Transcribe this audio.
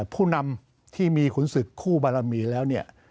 ผู้นำที่มีขุนศึกคู่บารมีแล้วเนี่ย